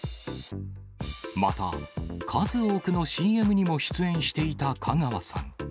また、数多くのＣＭにも出演していた香川さん。